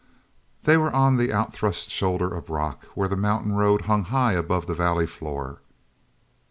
They were on the outthrust shoulder of rock where the mountain road hung high above the valley floor.